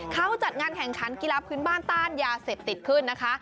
เขาจัดงานแข่งขันกีฬาพื้นบ้านต้านยาเสพติดขึ้นนะคะ